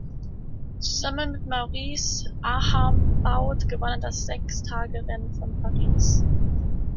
Zusammen mit Maurice Archambaud gewann er das Sechstagerennen von Paris.